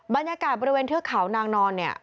บรรยากาศบริเวณเทือกเขานางนอนเนี่ย